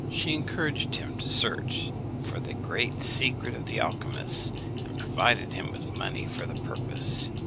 She encouraged him to search for the great secret of the alchymists, and provided him with money for the purpose.